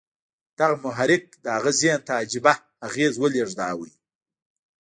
دغه محرک د هغه ذهن ته عجيبه اغېز ولېږداوه.